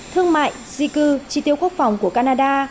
thương mại di cư chi tiêu quốc phòng của canada